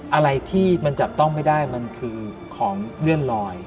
อะไรที่มันจับต้องไม่ได้มันคือของเลื่อนลอย